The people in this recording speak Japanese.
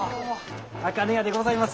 あかね屋でございます。